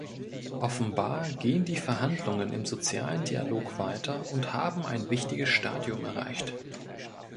Offenbar gehen die Verhandlungen im sozialen Dialog weiter und haben ein wichtiges Stadium erreicht.